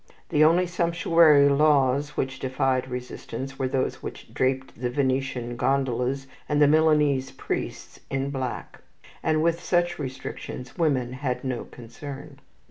The only sumptuary laws which defied resistance were those which draped the Venetian gondolas and the Milanese priests in black, and with such restrictions women had no concern.